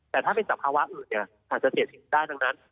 แต่ถ้าเป็นสภาวะอื่นเนี่ยอาจจะเสียถึงได้ทั้งนั้น